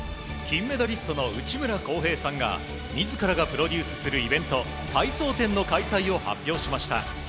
金メダリストの内村航平さんが自らがプロデュースするイベント「体操展」の開催を発表しました。